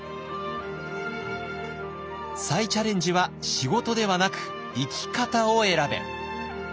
「再チャレンジは仕事ではなく生き方を選べ！」。